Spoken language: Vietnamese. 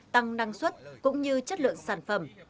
tăng năng suất cũng như chất lượng sản phẩm